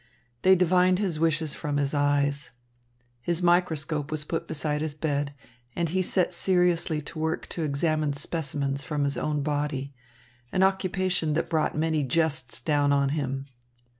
They divined his wishes from his eyes. His microscope was put beside his bed, and he set seriously to work to examine specimens from his own body, an occupation that brought many jests down on him.